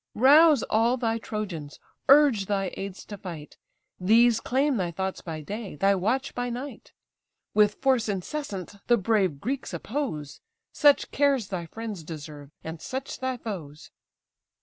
Rouse all thy Trojans, urge thy aids to fight; These claim thy thoughts by day, thy watch by night; With force incessant the brave Greeks oppose; Such cares thy friends deserve, and such thy foes."